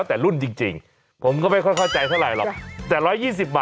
แต่ถ้า๑๒๐บาทผมก็พอซื้อได้อยู่เลย